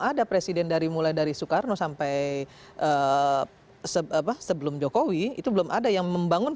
ada presiden dari mulai dari soekarno sampai sebelum jokowi itu belum ada yang membangun